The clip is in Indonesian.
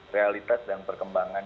realitas dan perkembangan